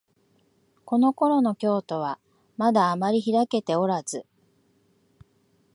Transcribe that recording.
このころの京都は、まだあまりひらけておらず、